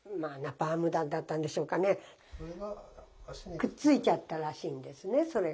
くっついちゃったらしいんですねそれが。